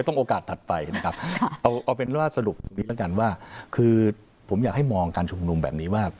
นะครับเอาเอาเป็นเรื่องราคาสรุปคือผมอยากให้มองการชุมลุมแบบนี้ว่า